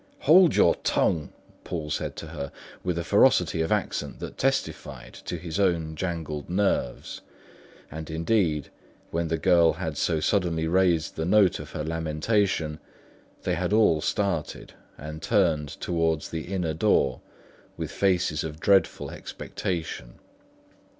"Hold your tongue!" Poole said to her, with a ferocity of accent that testified to his own jangled nerves; and indeed, when the girl had so suddenly raised the note of her lamentation, they had all started and turned towards the inner door with faces of dreadful expectation.